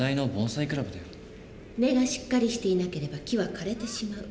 根がしっかりしていなければ木は枯れてしまう。